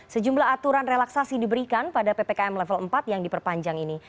sejumlah aturan relaksasi diberikan pada ppkm level empat yang diperpanjang ini